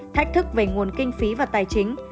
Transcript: thách thức về nguồn kinh phí và tài chính